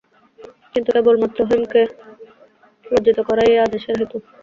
কিন্তু কেবলমাত্র হৈমকে লজ্জিত করাই এই আদেশের হেতু।